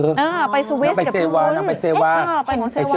เออไปสวิสต์กับพี่หุ้น